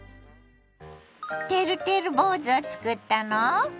てるてる坊主をつくったの？